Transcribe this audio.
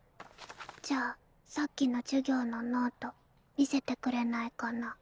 じゃあさっきの授業のノート見せてくれないかな。